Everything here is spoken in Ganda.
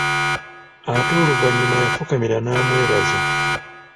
Ate oluvannyuma yafukamira n'amwebaza.